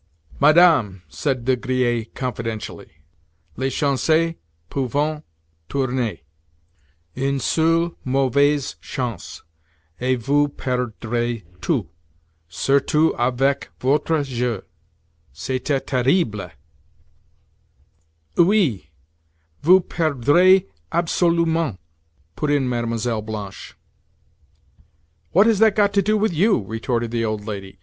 "Madame," said De Griers confidentially, "les chances peuvent tourner. Une seule mauvaise chance, et vous perdrez tout—surtout avec votre jeu. C'était terrible!" "Oui; vous perdrez absolument," put in Mlle. Blanche. "What has that got to do with you?" retorted the old lady.